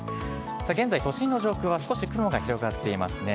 現在、都心の上空は少し雲が広がっていますね。